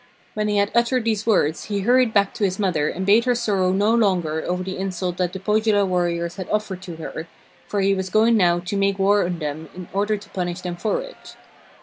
When he had uttered these words he hurried back to his mother and bade her sorrow no longer over the insult that the Pohjola warriors had offered to her, for he was going now to make war on them in order to punish them for it.